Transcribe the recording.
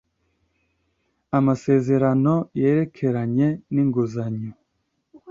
amasezerano yerekeranye n'inguzanyo